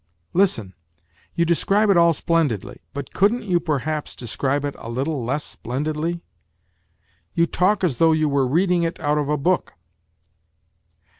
Listen. You describe it all splendidly, but couldn't you perhaps describe it a little less splendidly ? You talk as though you were reading it out of a book."